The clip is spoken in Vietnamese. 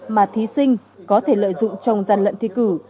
mà thí sinh có thể lợi dụng trong gian lận thi cử